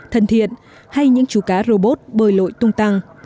thân thiện hay những chú cá robot bơi lội tung tăng